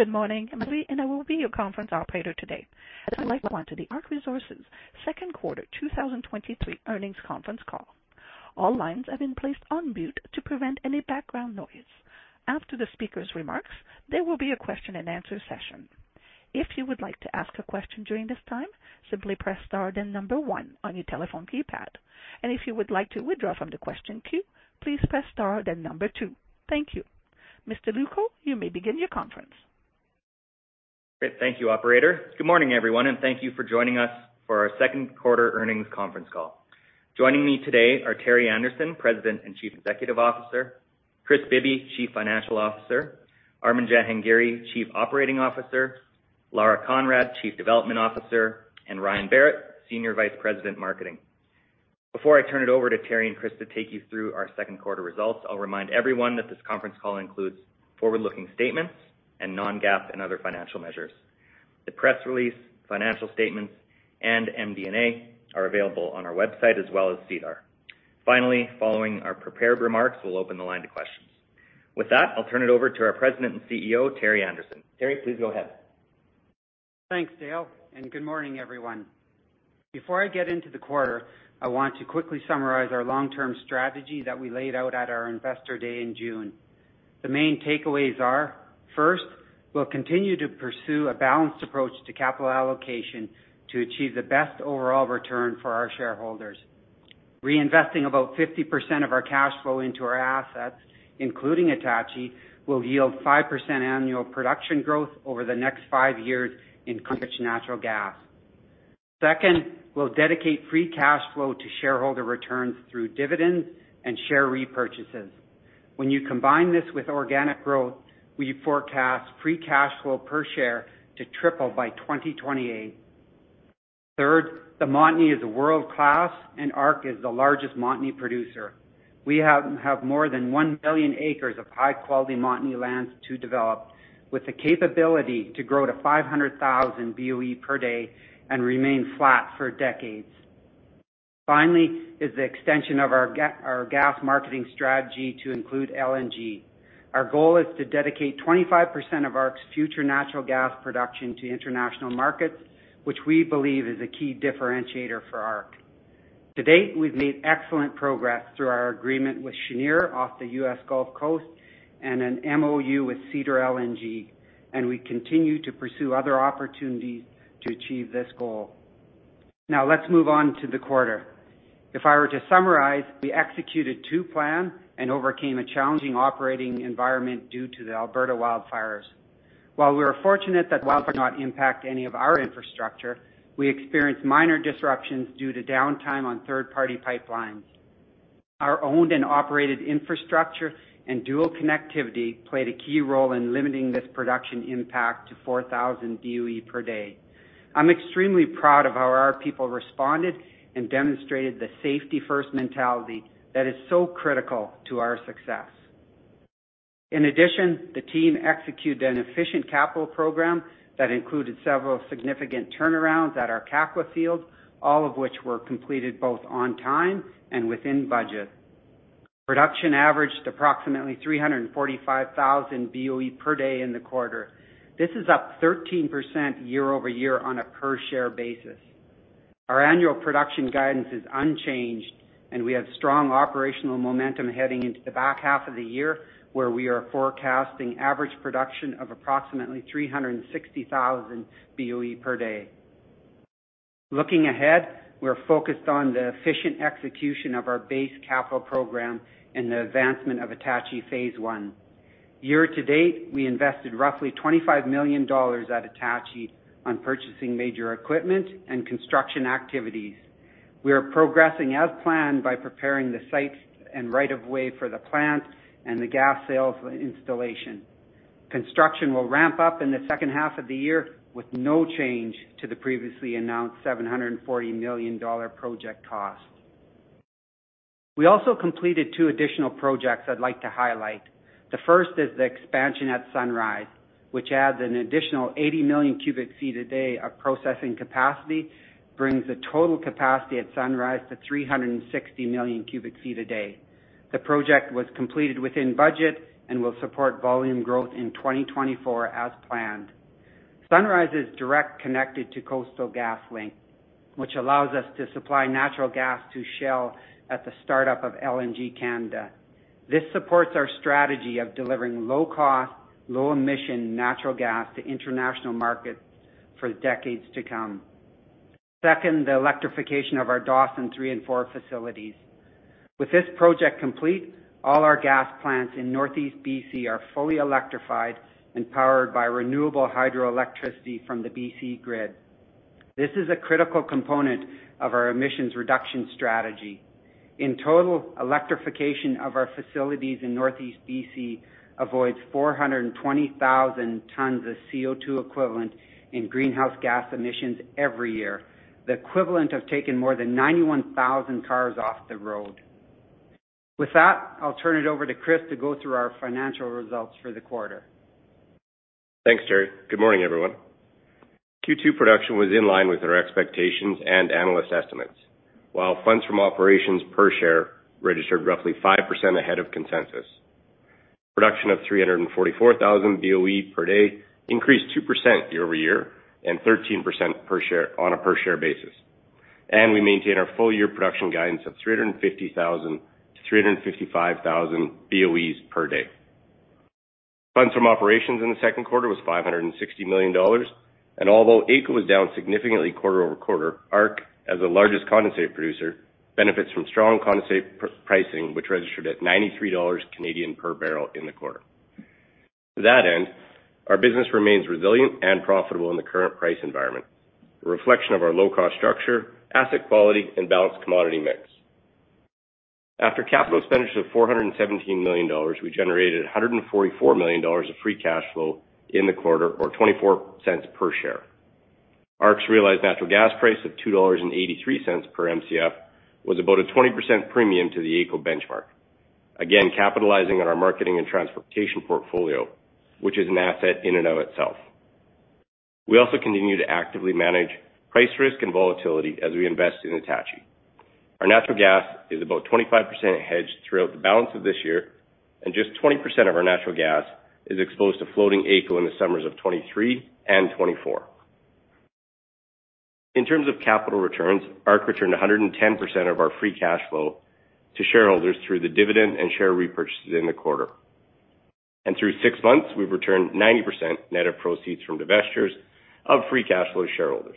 Good morning, I'm Emily, and I will be your conference operator today. I'd like to welcome you to the ARC Resources second quarter 2023 earnings conference call. All lines have been placed on mute to prevent any background noise. After the speaker's remarks, there will be a question and answer session. If you would like to ask a question during this time, simply press star, then one on your telephone keypad. If you would like to withdraw from the question queue, please press star, then two. Thank you. Mr. Lewko, you may begin your conference. Great. Thank you, operator. Good morning, everyone, and thank you for joining us for our second quarter earnings conference call. Joining me today are Terry Anderson, President and Chief Executive Officer, Kris Bibby, Chief Financial Officer, Armin Jahangiri, Chief Operating Officer, Lara Conrad, Chief Development Officer, and Ryan Berrett, Senior Vice President, Marketing. Before I turn it over to Terry and Kris to take you through our second quarter results, I'll remind everyone that this conference call includes forward-looking statements and non-GAAP and other financial measures. The press release, financial statements, and MD&A are available on our website as well as SEDAR. Finally, following our prepared remarks, we'll open the line to questions. With that, I'll turn it over to our President and CEO, Terry Anderson. Terry, please go ahead. Thanks, Dale. Good morning, everyone. Before I get into the quarter, I want to quickly summarize our long-term strategy that we laid out at our Investor Day in June. The main takeaways are: First, we'll continue to pursue a balanced approach to capital allocation to achieve the best overall return for our shareholders. Reinvesting about 50% of our cash flow into our assets, including Attachie, will yield 5% annual production growth over the next five years in natural gas. Second, we'll dedicate free cash flow to shareholder returns through dividends and share repurchases. When you combine this with organic growth, we forecast free cash flow per share to triple by 2028. Third, the Montney is a world-class, and ARC is the largest Montney producer. We have more than 1 billion acres of high-quality Montney lands to develop, with the capability to grow to 500,000 BOE per day and remain flat for decades. Finally, is the extension of our gas marketing strategy to include LNG. Our goal is to dedicate 25% of ARC's future natural gas production to international markets, which we believe is a key differentiator for ARC. To date, we've made excellent progress through our agreement with Cheniere off the US Gulf Coast and an MOU with Cedar LNG. We continue to pursue other opportunities to achieve this goal. Now, let's move on to the quarter. If I were to summarize, we executed to plan and overcame a challenging operating environment due to the Alberta wildfires. While we were fortunate that the wildfire did not impact any of our infrastructure, we experienced minor disruptions due to downtime on third-party pipelines. Our owned and operated infrastructure and dual connectivity played a key role in limiting this production impact to 4,000 BOE per day. I'm extremely proud of how our people responded and demonstrated the safety-first mentality that is so critical to our success. In addition, the team executed an efficient capital program that included several significant turnarounds at our Kakwa field, all of which were completed both on time and within budget. Production averaged approximately 345,000 BOE per day in the quarter. This is up 13% year-over-year on a per-share basis. Our annual production guidance is unchanged, and we have strong operational momentum heading into the back half of the year, where we are forecasting average production of approximately 360,000 BOE per day. Looking ahead, we're focused on the efficient execution of our base capital program and the advancement of Attachie Phase I. Year to date, we invested roughly 25 million dollars at Attachie on purchasing major equipment and construction activities. We are progressing as planned by preparing the site and right of way for the plant and the gas sales installation. Construction will ramp up in the second half of the year with no change to the previously announced 740 million dollars project cost. We also completed two additional projects I'd like to highlight. The first is the expansion at Sunrise, which adds an additional 80 million cubic feet a day of processing capacity, brings the total capacity at Sunrise to 360 million cubic feet a day. The project was completed within budget and will support volume growth in 2024 as planned. Sunrise is direct connected to Coastal GasLink, which allows us to supply natural gas to Shell at the start-up of LNG Canada. This supports our strategy of delivering low cost, low emission natural gas to international markets for decades to come. Second, the electrification of our Dawson three and four facilities. With this project complete, all our gas plants in Northeast BC are fully electrified and powered by renewable hydroelectricity from the BC grid. This is a critical component of our emissions reduction strategy. In total, electrification of our facilities in Northeast BC avoids 420,000 tons of CO2 equivalent in greenhouse gas emissions every year, the equivalent of taking more than 91,000 cars off the road. With that, I'll turn it over to Chris to go through our financial results for the quarter. Thanks, Terry. Good morning, everyone.... Q2 production was in line with our expectations and analyst estimates, while funds from operations per share registered roughly 5% ahead of consensus. Production of 344,000 BOE per day increased 2% year-over-year and 13% per share on a per share basis. We maintain our full year production guidance of 350,000-355,000 BOEs per day. Funds from operations in the second quarter was 560 million dollars, and although AECO was down significantly quarter-over-quarter, ARC, as the largest condensate producer, benefits from strong condensate pricing, which registered at 93 Canadian dollars per barrel in the quarter. To that end, our business remains resilient and profitable in the current price environment, a reflection of our low-cost structure, asset quality, and balanced commodity mix. After capital expenditures of 417 million dollars, we generated 144 million dollars of free cash flow in the quarter, or 0.24 per share. ARC's realized natural gas price of 2.83 dollars per Mcf was about a 20% premium to the AECO benchmark. Capitalizing on our marketing and transportation portfolio, which is an asset in and of itself. We also continue to actively manage price risk and volatility as we invest in Attachie. Our natural gas is about 25% hedged throughout the balance of this year, and just 20% of our natural gas is exposed to floating AECO in the summers of 2023 and 2024. In terms of capital returns, ARC returned 110% of our free cash flow to shareholders through the dividend and share repurchases in the quarter. Through six months, we've returned 90% net of proceeds from divestitures of free cash flow to shareholders.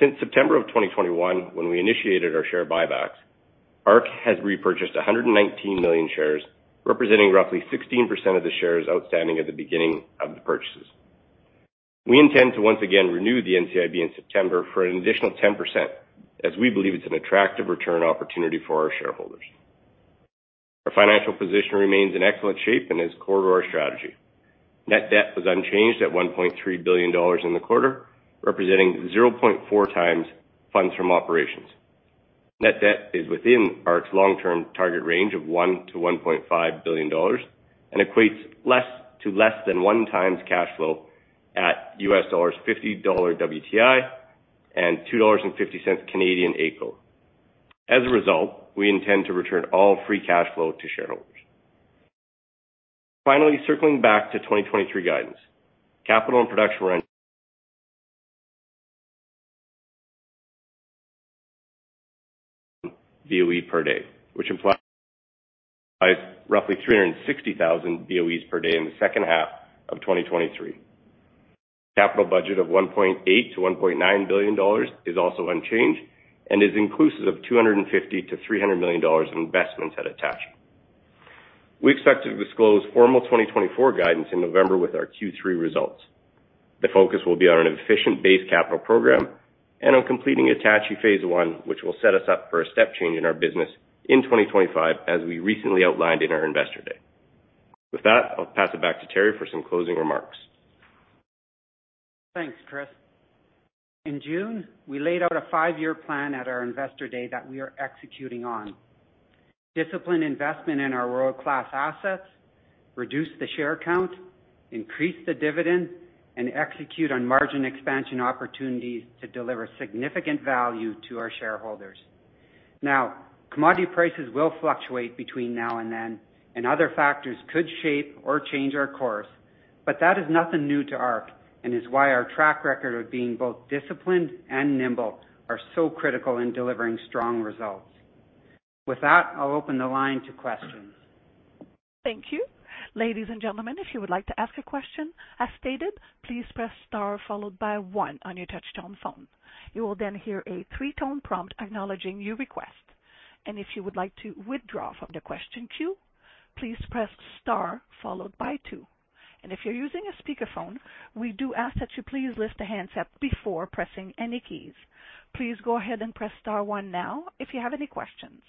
Since September 2021, when we initiated our share buybacks, ARC has repurchased 119 million shares, representing roughly 16% of the shares outstanding at the beginning of the purchases. We intend to once again renew the NCIB in September for an additional 10%, as we believe it's an attractive return opportunity for our shareholders. Our financial position remains in excellent shape and is core to our strategy. Net debt was unchanged at 1.3 billion dollars in the quarter, representing 0.4 times funds from operations. Net debt is within ARC's long-term target range of $1 billion-$1.5 billion and equates less to less than 1x cash flow at $50 WTI and 2.50 Canadian dollars AECO. As a result, we intend to return all free cash flow to shareholders. Finally, circling back to 2023 guidance, capital and production were BOE per day, which implies roughly 360,000 BOEs per day in the second half of 2023. Capital budget of $1.8 billion-$1.9 billion is also unchanged and is inclusive of $250 million-$300 million in investments at Attachie. We expect to disclose formal 2024 guidance in November with our Q3 results. The focus will be on an efficient base capital program and on completing Attachie Phase 1, which will set us up for a step change in our business in 2025, as we recently outlined in our investor day. With that, I'll pass it back to Terry for some closing remarks. Thanks, Chris. In June, we laid out a five-year plan at our investor day that we are executing on. Disciplined investment in our world-class assets, reduce the share count, increase the dividend, and execute on margin expansion opportunities to deliver significant value to our shareholders. Now, commodity prices will fluctuate between now and then, and other factors could shape or change our course, but that is nothing new to ARC, and is why our track record of being both disciplined and nimble are so critical in delivering strong results. With that, I'll open the line to questions. Thank you. Ladies and gentlemen, if you would like to ask a question, as stated, please press star followed by one on your touchtone phone. You will then hear a three-tone prompt acknowledging your request. If you would like to withdraw from the question queue, please press star followed by two. If you're using a speakerphone, we do ask that you please lift the handset before pressing any keys. Please go ahead and press star one now if you have any questions.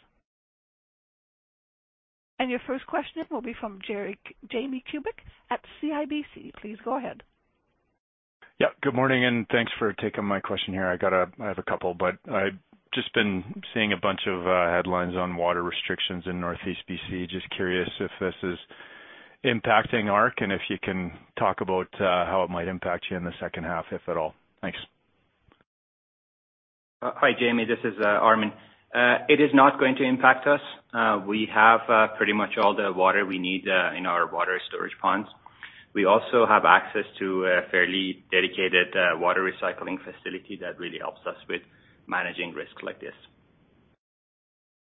Your first question will be from Jamie Kubik at CIBC. Please go ahead. Yeah, good morning, and thanks for taking my question here. I have a couple, but I've just been seeing a bunch of headlines on water restrictions in Northeast BC. Just curious if this is impacting ARC, and if you can talk about how it might impact you in the second half, if at all. Thanks. Hi, Jamie, this is Armin. It is not going to impact us. We have pretty much all the water we need in our water storage ponds. We also have access to a fairly dedicated water recycling facility that really helps us with managing risks like this.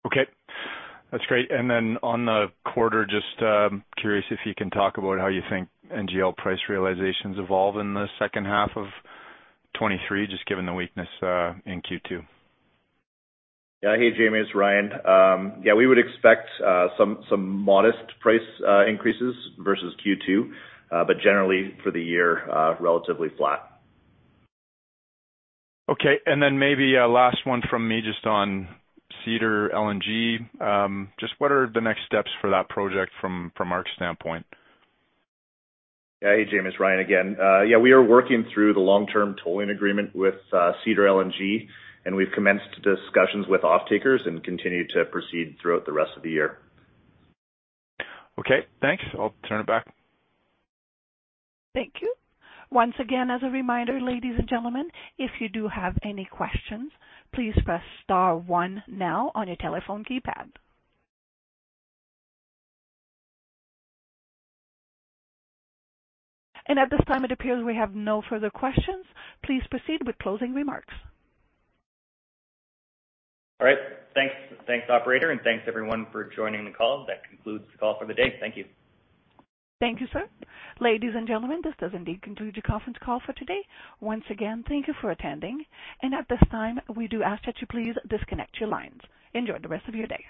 Okay, that's great. On the quarter, just curious if you can talk about how you think NGL price realizations evolve in the second half of 2023, just given the weakness in Q2. Yeah. Hey, Jamie, it's Ryan. Yeah, we would expect some, some modest price increases versus Q2, but generally for the year, relatively flat. Okay, then maybe a last one from me just on Cedar LNG. Just what are the next steps for that project from, from ARC's standpoint? Yeah. Hey, Jamie, it's Ryan again. Yeah, we are working through the long-term tolling agreement with Cedar LNG. We've commenced discussions with off-takers and continue to proceed throughout the rest of the year. Okay, thanks. I'll turn it back. Thank you. Once again, as a reminder, ladies and gentlemen, if you do have any questions, please press star one now on your telephone keypad. At this time, it appears we have no further questions. Please proceed with closing remarks. All right. Thanks, thanks, operator, and thanks everyone for joining the call. That concludes the call for the day. Thank you. Thank you, sir. Ladies and gentlemen, this does indeed conclude your conference call for today. Thank you for attending. At this time, we do ask that you please disconnect your lines. Enjoy the rest of your day.